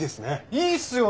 いいっすよね。